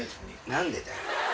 何でだよ。